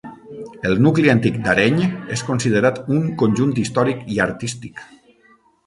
El nucli antic d'Areny és considerat un conjunt històric i artístic.